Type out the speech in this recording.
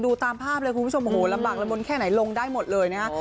ตามภาพเลยคุณผู้ชมโอ้โหลำบากละมนแค่ไหนลงได้หมดเลยนะฮะ